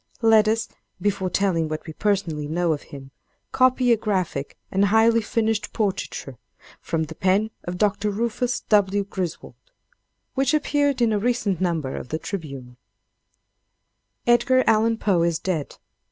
Let us, before telling what we personally know of him, copy a graphic and highly finished portraiture, from the pen of Dr. Rufus W. Griswold, which appeared in a recent number of the "Tribune": "Edgar Allen Poe is dead.